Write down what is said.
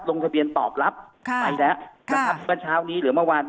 ต้องสะเบียนตอบรับไปแล้ว